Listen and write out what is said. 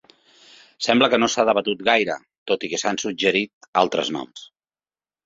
Sembla que no s"ha debatut gaire, tot i que s"han suggerit altres noms.